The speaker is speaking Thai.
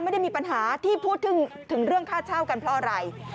ไม่ได้มีปัญหาที่พูดถึงเรื่องค่าเช่ากันเพราะอะไร